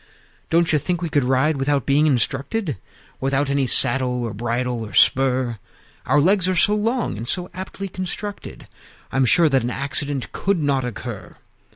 II. "Don't you think we could ride without being instructed, Without any saddle or bridle or spur? Our legs are so long, and so aptly constructed, I'm sure that an accident could not occur.